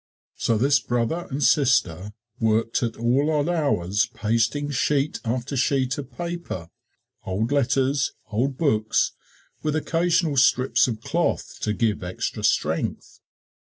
So this brother and sister worked at all odd hours pasting sheet after sheet of paper old letters, old books with occasional strips of cloth to give extra strength.